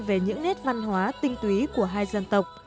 về những nét văn hóa tinh túy của hai dân tộc